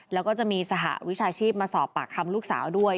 แล้วก็จะมีสหวิชาชีพมาสอบปากคำลูกสาวด้วย